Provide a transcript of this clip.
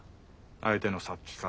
相手の殺気から。